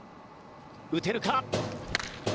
打てるか？